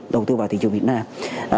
đầu tư vào thị trường việt nam